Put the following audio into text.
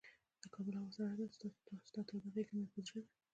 د کابل هوا سړه ده، ستا توده غیږ مه په زړه ده